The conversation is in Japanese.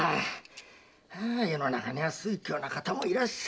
世の中には酔狂な方もいらっしゃる。